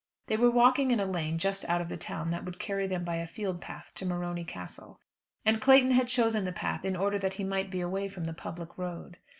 They were walking in a lane just out of the town that would carry them by a field path to Morony Castle, and Clayton had chosen the path in order that he might be away from the public road.